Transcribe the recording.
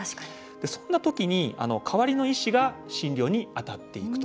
そんな時に代わりの医師が診療にあたっていくと。